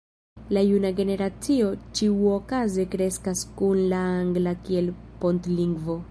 la juna generacio ĉiuokaze kreskas kun la angla kiel pontlingvo.